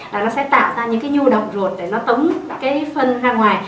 là nó sẽ tạo ra những cái nhu độc ruột để nó tống cái phân ra ngoài